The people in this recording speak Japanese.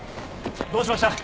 どうしました？